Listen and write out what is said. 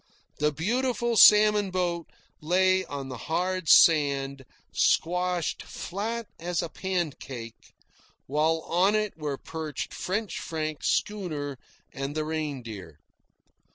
The beautiful salmon boat lay on the hard sand, squashed flat as a pancake, while on it were perched French Frank's schooner and the Reindeer.